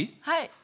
はい。